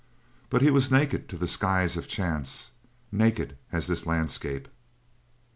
But he was naked to the skies of chance naked as this landscape.